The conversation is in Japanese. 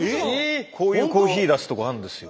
こういうコーヒー出す所あるんですよ。